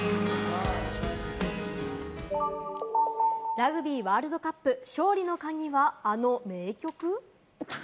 ラグビーワールドカップ、勝利のカギは、あの名曲！？